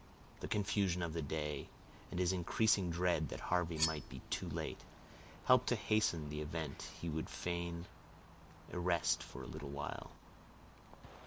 The confusion of the day, and his increasing dread that Harvey might be too late, helped to hasten the event he would fain arrest for a little while.